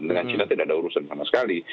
dengan cina tidak ada urusan sama sekali